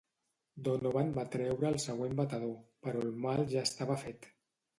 Donovan va treure el següent batedor, però el mal ja estava fet.